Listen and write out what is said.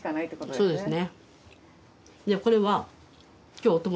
そうですね。